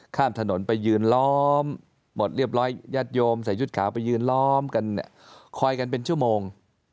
ข้ามถนนไปยืนล้อมหมดเรียบร้อยญาติโยมใส่ชุดขาวไปยืนล้อมกันเนี่ยคอยกันเป็นชั่วโมง